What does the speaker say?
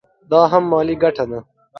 دا هم مالي ګټه ده.